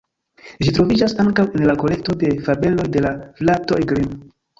Ĝi troviĝas ankaŭ en la kolekto de fabeloj de la fratoj Grimm.